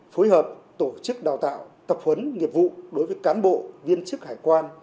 phối hợp tổ chức đào tạo tập huấn nghiệp vụ đối với cán bộ viên chức hải quan